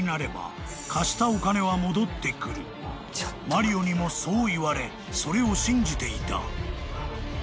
［マリオにもそう言われそれを信じていた］